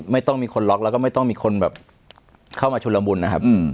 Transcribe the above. ไม่ต้องมีคนล็อกแล้วก็ไม่ต้องมีคนแบบเข้ามาชุนละมุนนะครับ